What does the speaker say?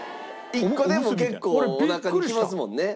１個でも結構おなかにきますもんねおはぎ。